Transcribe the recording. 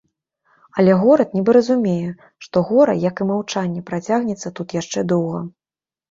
Але горад нібы разумее, што гора, як і маўчанне, працягнецца тут яшчэ доўга.